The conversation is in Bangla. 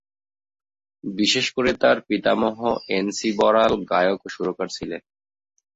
বিশেষ করে তার পিতামহ এন সি বড়াল গায়ক ও সুরকার ছিলেন।